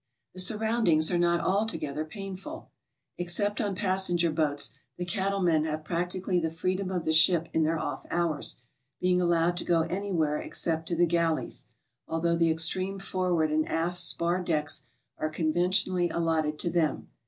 The surroundings are not altogether painful. Except on passenger boats the cattlemen have practically the free dom of the ship in their off hours, being allowed to go any where except to the galleys, although the extreme forward and aft spar decks are conventionally allotted to them.